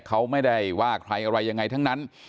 เขาไม่ได้ว่าใครอะไรยังไงทั้งนั้น